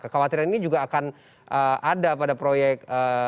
kekhawatiran ini juga akan ada pada proyek